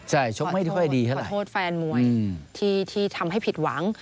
ใช่ชกไม่ค่อยดีเท่าไหร่โทษแฟนมวยที่ทำให้ผิดหวัง